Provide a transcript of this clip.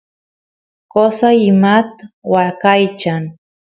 qosay imat waqaychan